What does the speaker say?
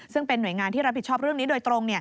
ซึ่งเป็นหน่วยงานที่รับผิดชอบเรื่องนี้โดยตรง